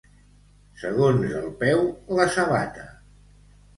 Segons el peu, la sabata.